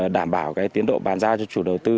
đảm bảo tiến độ bàn giao cho chủ đầu tư